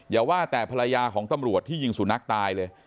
อย่าว่าแต่ภรรยาของตำรวจที่ยิงสุนัขตายเลย